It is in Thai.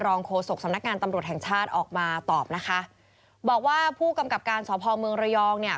โฆษกสำนักงานตำรวจแห่งชาติออกมาตอบนะคะบอกว่าผู้กำกับการสพเมืองระยองเนี่ย